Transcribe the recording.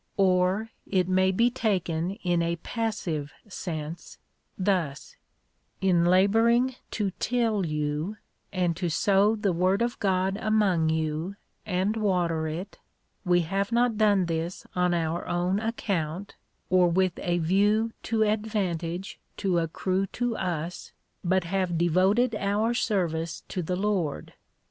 ^ Or, it may be taken in a passive sense, thus :" In labouring to till you, and to sow the w^ord of God among you and water it, we have not done this on our own account, or with a view to advantage to accrue to us, but have devoted our service to the Lord.